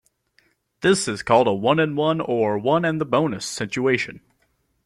This is called a "one-and-one" or "one and the bonus" situation.